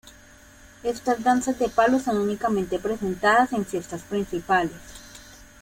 Estas danzas de palo son únicamente presentadas en fiestas principales.